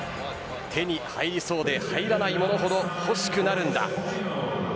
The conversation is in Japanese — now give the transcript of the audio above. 手に入りそうで入らないものほど欲しくなるんだ。